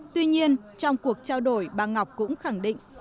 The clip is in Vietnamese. tuy nhiên trong cuộc trao đổi bà ngọc cũng khẳng định